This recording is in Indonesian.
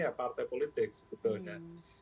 ya partai politik sebetulnya